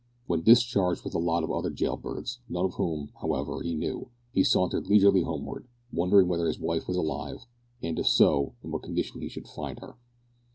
When discharged with a lot of other jail birds, none of whom, however, he knew, he sauntered leisurely homeward, wondering whether his wife was alive, and, if so, in what condition he should find her.